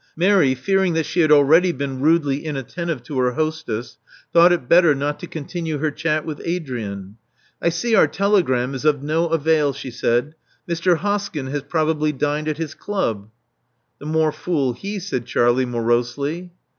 Mary, fearing that she had already been rudely inattentive to her hostess, thought it better not to continue her chat with Adrian. I see our telegram is of no avail," she said. Mr. Hoskyn has probably dined at his club." The more fool he, said Charlie, morosely.